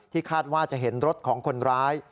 คาดว่าจะเห็นรถของคนร้าย